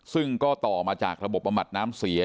ซึ่งก็ต่อมาจากระบบประหมัดน้ำเขียบ